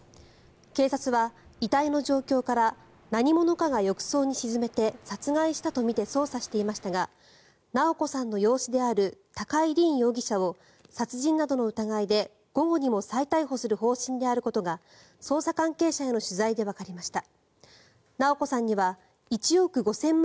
警察は、遺体の状況から何者かが浴槽に沈めて殺害したとみて捜査していましたが直子さんの養子である高井凜容疑者を殺人などの疑いで午後にも再逮捕する方針であることが捜査関係者への取材でわかりました。